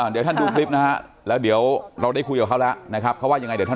เดี๋ยวท่านดูลิฟต์แล้วเดี๋ยวเราได้คุยกับเขาแล้ว